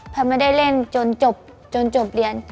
พอไม่ได้เล่นจนจบจนจบเรียน